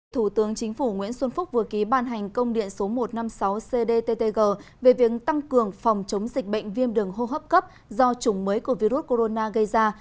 thủ tướng chính phủ nguyễn xuân phúc vừa ký ban hành công điện số một trăm năm mươi sáu cdttg về việc tăng cường phòng chống dịch bệnh viêm đường hô hấp cấp do chủng mới của virus corona gây ra